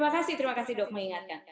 oh ya terima kasih dok mengingatkan